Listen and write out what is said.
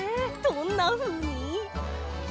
どんなふうに？